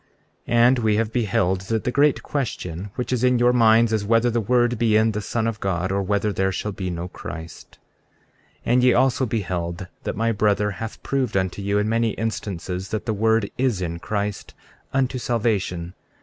34:5 And we have beheld that the great question which is in your minds is whether the word be in the Son of God, or whether there shall be no Christ. 34:6 And ye also beheld that my brother has proved unto you, in many instances, that the word is in Christ unto salvation.